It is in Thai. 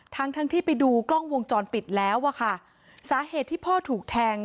ทั้งทั้งที่ไปดูกล้องวงจรปิดแล้วอะค่ะสาเหตุที่พ่อถูกแทง